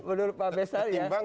menurut pak bos saya